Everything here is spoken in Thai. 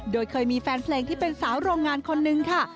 โดยเคยมีแฟนเพลงที่เป็นสาวโรงงานคนนึงค่ะ